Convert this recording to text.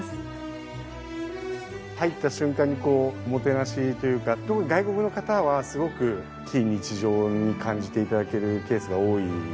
入った瞬間にこうおもてなしというか特に外国の方はすごく非日常に感じて頂けるケースが多いように思いますね。